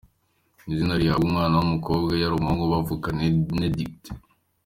Ni izina rihabwa umwana w’umukobwa, iyo ari umuhungu bavuga Nenedict.